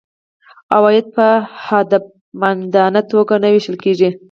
عواید په هدفمندانه توګه نه وېشل کیږي.